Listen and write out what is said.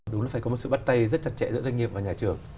đúng là phải có một sự bắt tay rất chặt chẽ giữa doanh nghiệp và nhà trường